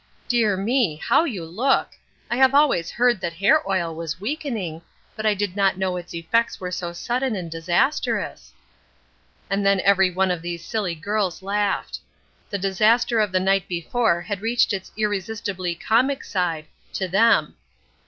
Dear me! how you look! I have always heard that hair oil was weakening, but I did not know its effects were so sudden and disastrous!" And then every one of these silly girls laughed. The disaster of the night before had reached its irresistibly comic side to them.